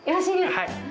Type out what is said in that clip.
はい。